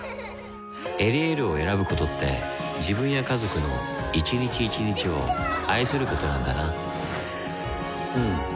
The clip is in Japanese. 「エリエール」を選ぶことって自分や家族の一日一日を愛することなんだなうん。